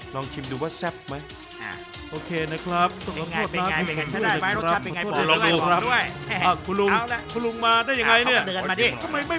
โปรดติดตามตอนต่อไป